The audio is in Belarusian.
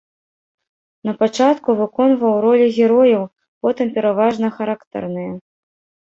Напачатку выконваў ролі герояў, потым пераважна характарныя.